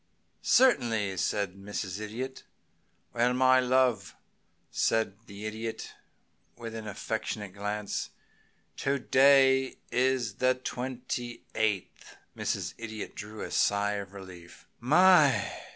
"Certainly," said Mrs. Idiot. "Well, my love," said the Idiot, with an affectionate glance, "to day is the ah the twenty eighth." Mrs. Idiot drew a sigh of relief. "My!"